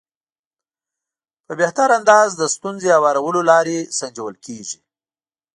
په بهتر انداز د ستونزې هوارولو لارې سنجول کېږي.